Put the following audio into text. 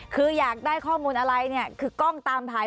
คืออยากได้ข้อมูลอะไรเนี่ยคือกล้องตามถ่าย